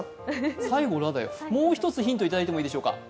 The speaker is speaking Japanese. もう一つ、ヒントいただいてもいいでしょうか。